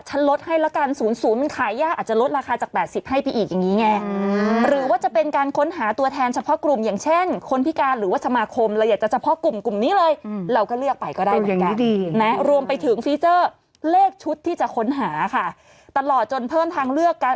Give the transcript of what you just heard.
ฉันลดให้แล้วกัน๐๐มันขายยากอาจจะลดราคาจาก๘๐ให้ไปอีกอย่างนี้ไง